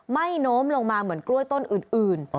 โน้มลงมาเหมือนกล้วยต้นอื่น